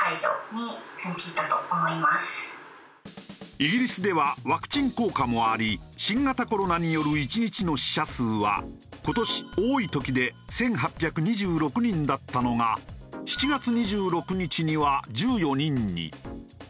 イギリスではワクチン効果もあり新型コロナによる１日の死者数は今年多い時で１８２６人だったのが７月２６日には１４人に。